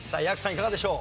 いかがでしょう？